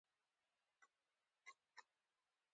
د اداري پروسو د اسانه کولو کمېټه.